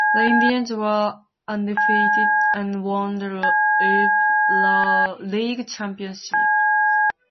The Indians were undefeated and won the Ivy League championship.